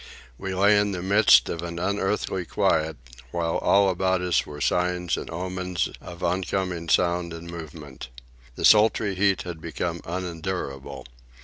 We lay in the midst of an unearthly quiet, while all about us were signs and omens of oncoming sound and movement. The sultry heat had become unendurable.